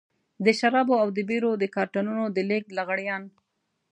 د شرابو او بيرو د کارټنونو د لېږد لغړيان.